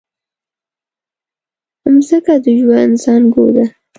مځکه د ژوند زانګو ده.